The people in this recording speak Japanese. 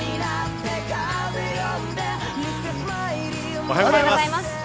おはようございます。